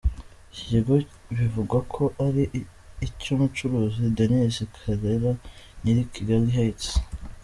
Iki kigo bivugwa ko ari icy’Umucuruzi Dennis Karera nyiri Kigali Heights.